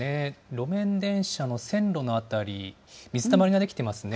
路面電車の線路の辺り、水たまりが出来てますね。